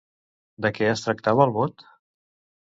De què es tractava el bot?